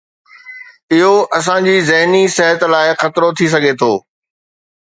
اهو اسان جي ذهني صحت لاء خطرو ٿي سگهي ٿو